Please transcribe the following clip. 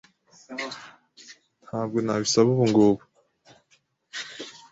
Ntabwo nabisaba ubungubu.